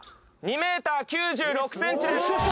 ２メーター９６センチです。